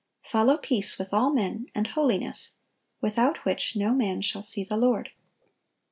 (947) "Follow peace with all men, and holiness, without which no man shall see the Lord."